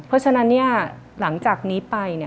เพราะฉะนั้นหลังจากนี้ไป